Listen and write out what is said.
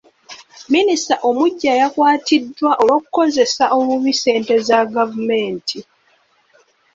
Minisita omuggya yakwatiddwa olw'okukozesa obubi ssente za gavumenti.